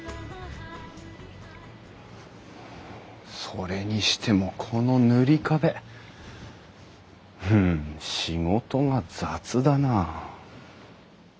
それにしてもこの塗り壁ふん仕事が雑だな。